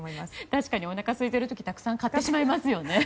確かにおなかすいている時ってたくさん買ってしまいますよね。